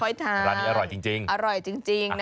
ร้านนี้อร่อยจริง